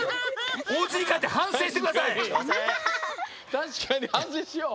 たしかにはんせいしよう。